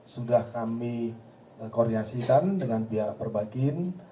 sudah kami koordinasikan dengan pihak perbakin